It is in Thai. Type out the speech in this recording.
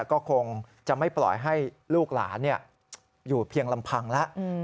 ก็คงจะไม่ปล่อยให้ลูกหลานอยู่เพียงลำพังแล้ว